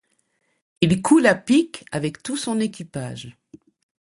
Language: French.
Il coule à pic avec tout son équipage.